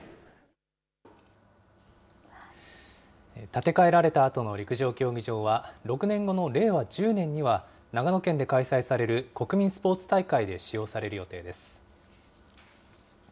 建て替えられたあとの陸上競技場は、６年後の令和１０年には、長野県で開催される国民スポーツ大会で使用される予定です。